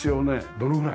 どのぐらい？